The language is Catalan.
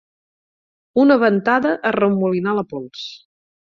Una ventada arremolinà la pols.